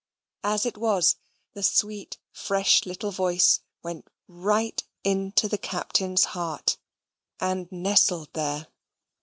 As it was, the sweet fresh little voice went right into the Captain's heart, and nestled there.